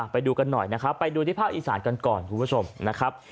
ไปดูกันหน่อยนะครับไปดูที่ภาคอีสานกันก่อนคุณผู้ชมนะครับ